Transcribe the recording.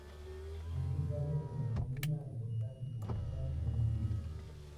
Es pescado pero con una importancia comercial reducida.